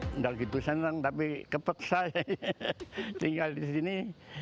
tidak begitu senang tapi kepeksa tinggal di sini